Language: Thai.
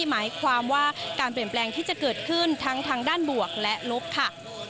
หมายความว่าการเปลี่ยนแปลงที่จะเกิดขึ้นทั้งทางด้านบวกและลบค่ะ